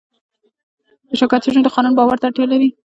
د شرکت شتون د قانون باور ته اړتیا لري.